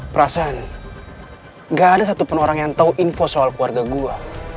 perasaan gak ada satupun orang yang tahu info soal keluarga gue